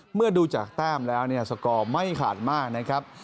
เมื่อดูจากแต้มแล้วเนี่ยสกอร์ไม่ขาดมากนะครับ